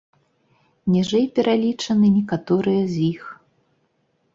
Ніжэй пералічаны некаторыя з іх.